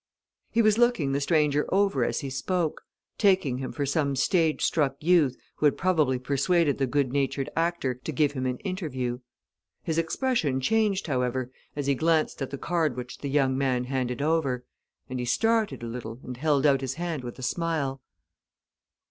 He was looking the stranger over as he spoke, taking him for some stage struck youth who had probably persuaded the good natured actor to give him an interview. His expression changed, however; as he glanced at the card which the young man handed over, and he started a little and held out his hand with a smile.